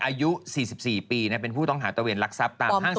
อายุ๔๔ปีเป็นผู้ต้องหาตะเวียนรักษัพตามห้างสรรพสินค้า